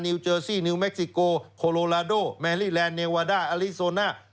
เจอซี่นิวเค็กซิโกโคโลลาโดแมลี่แลนดเนวาด้าอลิโซน่า